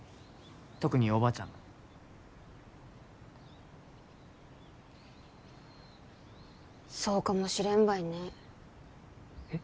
特におばーちゃんそうかもしれんばいねえっ？